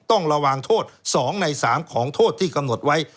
ต้องระวังโทษ๒ใน๓ของโทษที่กำหนดไว้